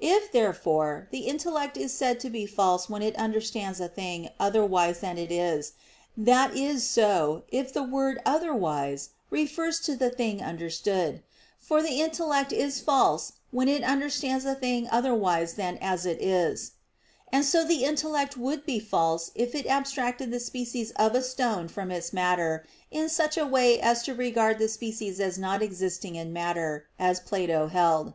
If, therefore, the intellect is said to be false when it understands a thing otherwise than as it is, that is so, if the word "otherwise" refers to the thing understood; for the intellect is false when it understands a thing otherwise than as it is; and so the intellect would be false if it abstracted the species of a stone from its matter in such a way as to regard the species as not existing in matter, as Plato held.